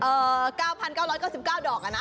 เออ๙๙๙๙ดอกอะนะ